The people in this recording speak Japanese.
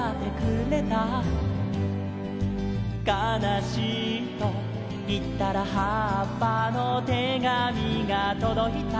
「かなしいといったらはっぱの手紙がとどいたよ」